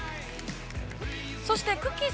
◆そして、くっきー！